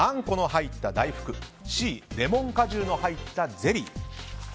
この入った大福Ｃ、レモン果汁の入ったゼリー。